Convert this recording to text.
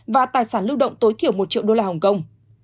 và tài sản lưu động tối thiểu một triệu đô la hồng kông